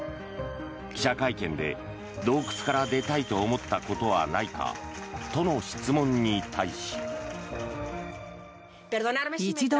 記者会見で洞窟から出たいと思ったことはないかとの質問に対し。